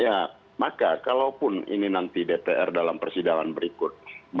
ya maka kalaupun ini nanti dpr dalam persidangan berikut